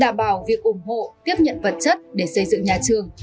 đảm bảo việc ủng hộ tiếp nhận vật chất để xây dựng nhà trường